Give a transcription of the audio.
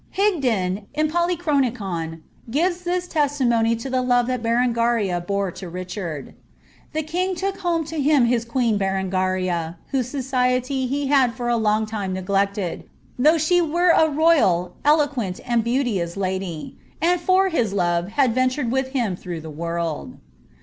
Higden, in the Polychronichon, gives this testimony to the love that Berengaria bore to Richard :^ The king took home to him his queen Berengaria, whose society he had for a long time neglected, though she were a royal, eloquent, and beauteous lady, and for his love had ventured with him through the world."